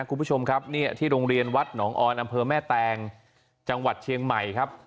คุณผู้ชมครับเนี่ยที่โรงเรียนวัดหนองออนอำเภอแม่แตงจังหวัดเชียงใหม่ครับ